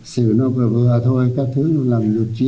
sử nó vừa vừa thôi các thứ nó làm lực trí